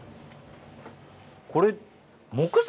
これ木材？